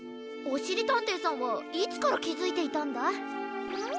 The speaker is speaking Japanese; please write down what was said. おしりたんていさんはいつからきづいていたんだ？